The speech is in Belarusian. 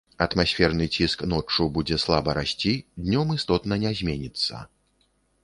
Атмасферны ціск ноччу будзе слаба расці, днём істотна не зменіцца.